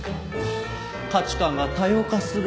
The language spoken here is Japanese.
価値観が多様化する